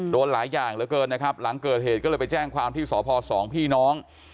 โดนหลายอย่างเหลือเกินนะครับหลังเกิดเหตุก็เลยไปแจ้งความที่สพสองพี่น้อง